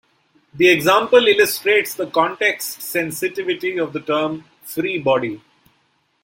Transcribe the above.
The example illustrates the context sensitivity of the term "free body".